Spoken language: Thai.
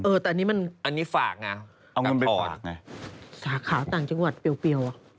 เออแต่อันนี้มันฝากนะกล่อนทอดสหาขาวต่างจังหวัดเปลวว่ะ